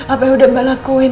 apa yang udah mbak lakuin